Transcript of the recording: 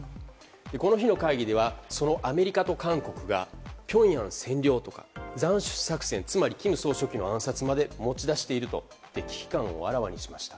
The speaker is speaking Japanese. この日の会議ではそのアメリカと韓国がピョンヤン占領とか、斬首作戦つまり、金総書記の暗殺まで持ち出していると危機感をあらわにしました。